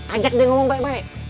ajak dia ngomong baik baik